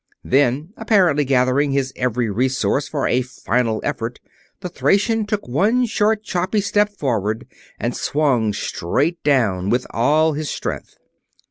Then, apparently gathering his every resource for a final effort, the Thracian took one short, choppy step forward and swung straight down, with all his strength.